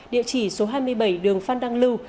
địa chỉ số hai mươi bảy đường phan đăng lưu